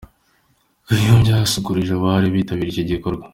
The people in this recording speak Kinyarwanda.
Kanyombya yasusurukije abari bitabiriye iki gikorwa.